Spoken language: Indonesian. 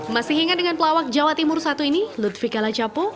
masih ingat dengan pelawak jawa timur satu ini lutfi kalajapu